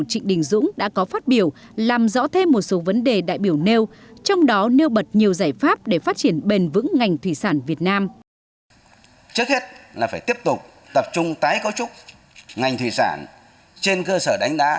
trước hết là phải tiếp tục tập trung tái cấu trúc ngành thủy sản trên cơ sở đánh đá